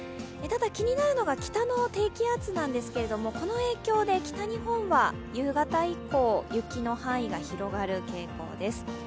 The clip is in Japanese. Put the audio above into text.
ただ、気になるのが北の低気圧なんですけれども、この影響で北日本は夕方以降、雪の範囲が広がる傾向です。